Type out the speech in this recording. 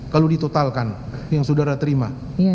kalau ditotalkan yang saudara terima